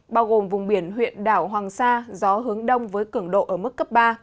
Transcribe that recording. bao gồm vùng biển huyện đảo hoàng sa gió hướng đông với cường độ ở mức cấp ba